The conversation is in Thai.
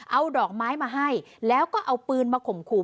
เอาดอกไม้มาให้แล้วก็เอาปืนมาข่มขู่